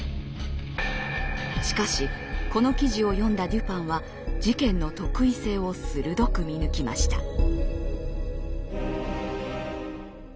しかしこの記事を読んだデュパンは事件の特異性を鋭く見抜きました。